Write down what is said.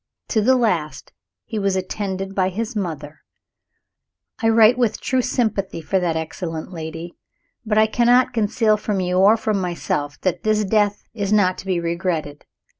To the last he was attended by his mother. I write with true sympathy for that excellent lady but I cannot conceal from you or from myself that this death is not to be regretted.